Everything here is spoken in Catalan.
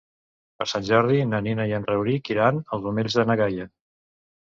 Per Sant Jordi na Nina i en Rauric iran als Omells de na Gaia.